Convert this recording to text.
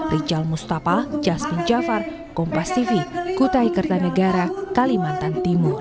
rijal mustafa jasmine jafar kompas tv kutai kertanegara kalimantan timur